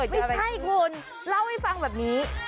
ไม่ใช่คุณเล่าให้ฟังแบบนี้